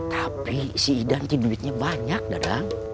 tapi si idan tuh duitnya banyak dadang